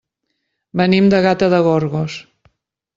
Venim de Gata de Gorgos.